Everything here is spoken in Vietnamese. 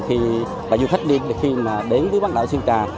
khi bãi du khách đi đến bãi đảo sơn trà